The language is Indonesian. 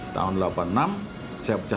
tahun delapan puluh enam saya pecah